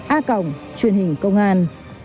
a cổng truyền hình công an